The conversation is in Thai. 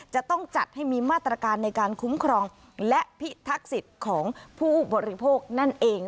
จะต้องจัดให้มีมาตรการในการคุ้มครองและพิทักษิตของผู้บริโภคนั่นเอง